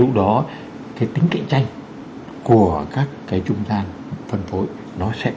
của các doanh nghiệp bán lẻ thì lúc đó cái tính cạnh tranh của các doanh nghiệp bán lẻ thì lúc đó cái tính cạnh tranh của các doanh nghiệp bán lẻ